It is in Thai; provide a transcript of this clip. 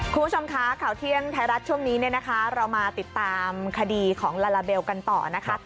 คุณผู้ชมคะข่าวเที่ยงไทยรัฐช่วงนี้เนี่ยนะคะเรามาติดตามคดีของลาลาเบลกันต่อนะคะ